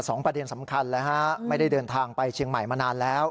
ประเด็นสำคัญเลยฮะไม่ได้เดินทางไปเชียงใหม่มานานแล้ว